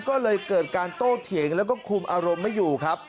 ก็เลยเกิดการโต้เถียงแล้วก็คุมอารมณ์ไม่อยู่ครับ